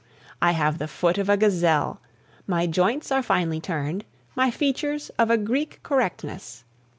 I have the foot of a gazelle! My joints are finely turned, my features of a Greek correctness.